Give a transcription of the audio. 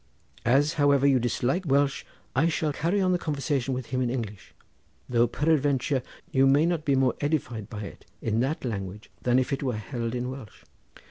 As, however, you dislike Welsh, I shall carry on the conversation with him in English, though peradventure you may not be more edified by it in that language than if it were held in Welsh."